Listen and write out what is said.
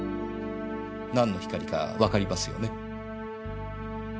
何の光かわかりますよね？